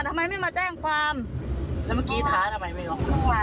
ทำไมไม่มาแจ้งความแล้วเมื่อกี้ท้าทำไมไม่รู้